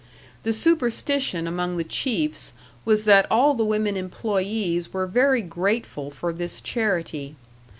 The superstition among the chiefs was that all the women employees were very grateful for this charity.